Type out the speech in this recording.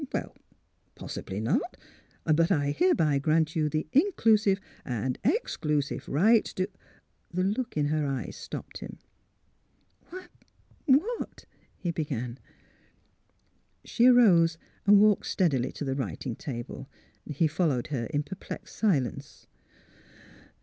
Well, possibly not. But I hereby grant you the inclusive and ex clusive right to " The look in her eyes stopped him. " Why, what ?" he began. She arose and walked steadily to the writing table. He followed her, in perplexed silence.